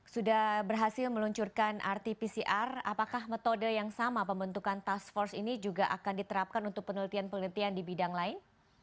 sudah berhasil meluncurkan rt pcr apakah metode yang sama pembentukan task force ini juga akan diterapkan untuk penelitian penelitian di bidang lain